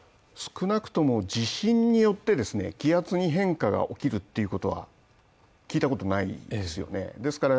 少なくとも地震によって気圧に変化が起きるということは聞いてことがないです。